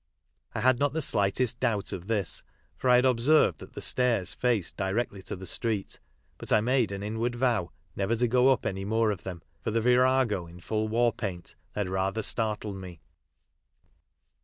I had not the slightest doubt of this, for I had observed that the stairs faced directly to the street, but I made an inward vow never to go up any more of them, for the virago in full war paint had rather startled me.